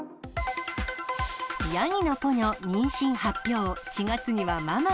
ヤギのポニョ、妊娠発表。